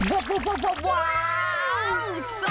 ว้าวสัตว์ยุคสุดยอดไปเลยจ้า